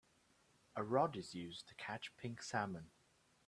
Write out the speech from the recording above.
A rod is used to catch pink salmon.